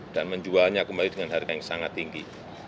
menjualnya kembali dengan harga yang sangat tinggi